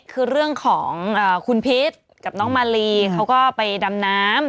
คือเรื่องของคุณพิษกับน้องมาลีเขาก็ไปดำน้ำ